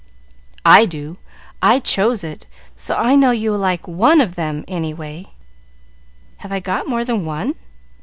"I do; I chose it, so I know you will like one of them, any way." "Have I got more than one?"